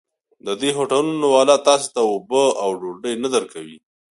د دې هوټلونو والا تاسې ته اوبه او ډوډۍ نه درکوي.